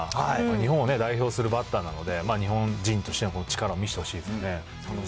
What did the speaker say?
日本を代表するバッターなので、日本人としての力を見せてほしいですよね。